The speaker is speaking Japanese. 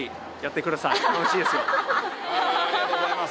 ありがとうございます。